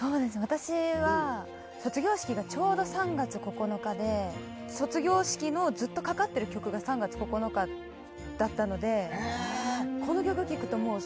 私は卒業式がちょうど３月９日で卒業式のずっとかかってる曲が『３月９日』だったので。